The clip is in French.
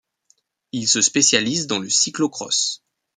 Il se spécialise dans le cyclo-cross.